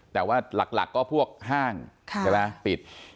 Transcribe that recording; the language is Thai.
แต่ว่าหลักก็พวกห้างปิด